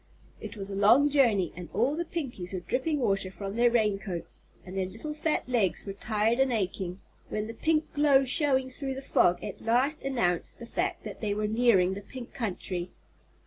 It was a long journey, and all the Pinkies were dripping water from their raincoats, and their little fat legs were tired and aching, when the pink glow showing through the fog at last announced the fact that they were nearing the Pink Country.